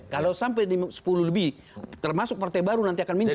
kalau sampai sepuluh lebih termasuk partai baru nanti akan minta